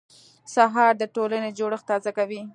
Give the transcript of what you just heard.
سهار د ټولنې جوړښت تازه کوي.